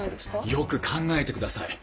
よく考えてください。